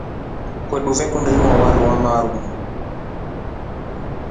Kwamotu vakundi inywa wari wamaru.